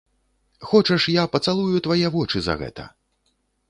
Хочаш, я пацалую твае вочы за гэта?